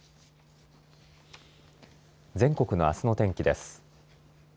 全国のあすの天気です。